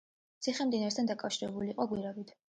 ციხე მდინარესთან დაკავშირებული იყო გვირაბით.